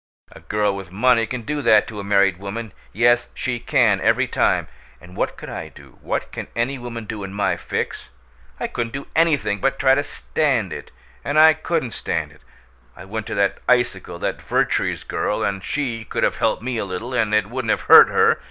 A girl with money can do that to a married woman yes, she can, every time! And what could I do? What can any woman do in my fix? I couldn't do ANYTHING but try to stand it and I couldn't stand it! I went to that icicle that Vertrees girl and she could have helped me a little, and it wouldn't have hurt her.